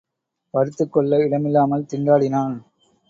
படுத்துக் கொள்ள இடமில்லாமல் திண்டாடினான்.